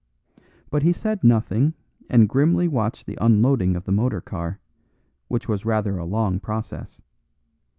But he said nothing and grimly watched the unloading of the motor car, which was rather a long process.